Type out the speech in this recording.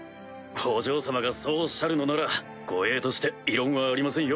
お嬢様がそうおっしゃるのなら護衛として異論はありませんよ。